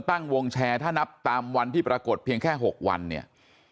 ตั้งวงแชร์ถ้านับตามวันที่ปรากฏเพียงแค่๖วันเนี่ย